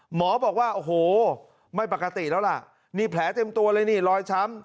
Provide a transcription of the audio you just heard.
หมอบอกว่าโอ้โหไม่ปกติแล้วล่ะนี่แผลเต็มตัวเลยนี่รอยช้ำ